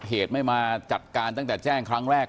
เหตุไม่มาจัดการตั้งแต่แจ้งครั้งแรก